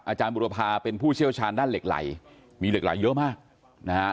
บุรพาเป็นผู้เชี่ยวชาญด้านเหล็กไหลมีเหล็กไหลเยอะมากนะฮะ